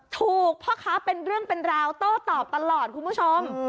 ถูกพ่อค้าเป็นเรื่องเป็นราวโต้ตอบตลอดคุณผู้ชม